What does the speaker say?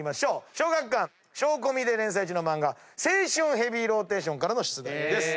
小学館『Ｓｈｏ−Ｃｏｍｉ』で連載中の漫画『青春ヘビーローテーション』からの出題です。